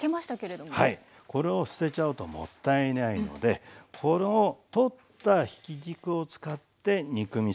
これを捨てちゃうともったいないのでこれをとったひき肉を使って肉みそをつくる。